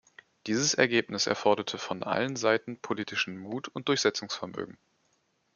Dieses Ergebnis erforderte von allen Seiten politischen Mut und Durchsetzungsvermögen.